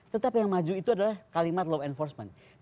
tetapi yang maju itu adalah kalimat law enforcement